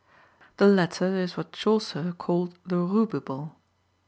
The latter is what Chaucer calls the rubible.